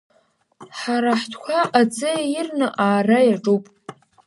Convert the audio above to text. Ҳара ҳтәқәа аӡы ирны аара иаҿуп.